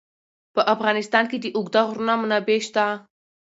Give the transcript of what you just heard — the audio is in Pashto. په افغانستان کې د اوږده غرونه منابع شته.